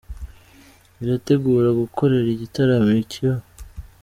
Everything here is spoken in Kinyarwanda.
irategura gukorera igitaramo i Kibeho